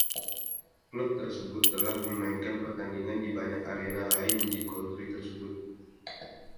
Klub tersebut telah memainkan pertandingan di banyak arena lain di county tersebut.